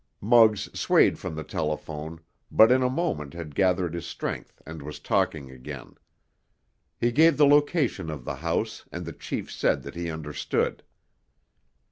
Muggs swayed from the telephone, but in a moment had gathered his strength and was talking again. He gave the location of the house, and the chief said that he understood.